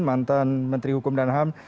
mantan menteri hukum dan ham